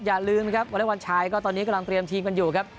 อย่าลืมนะครับวอเล็กบอลชายก็ตอนนี้กำลังเตรียมทีมกันอยู่ครับ